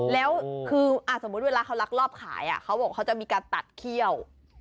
แล้วคือสมมุติเวลาเขาลักลอบขายเขาบอกเขาจะมีการตัดเขี้ยว